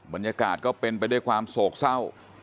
บรรยากาศก็เป็นไปด้วยความโศกเศร้า